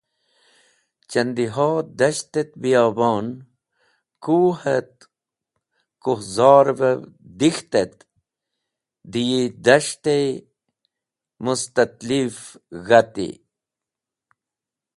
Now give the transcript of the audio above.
Chandiho das̃ht et biyobon, kuh et kuhzorev dik̃ht et dẽ yi das̃ht-e mustatilev g̃hati.